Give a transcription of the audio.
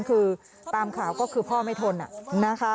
คือตามข่าวก็คือพ่อไม่ทนนะคะ